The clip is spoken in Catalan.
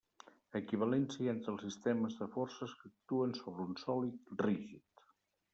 Equivalència entre els sistemes de forces que actuen sobre un sòlid rígid.